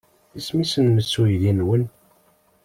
Isem-nnes uydi-nwen?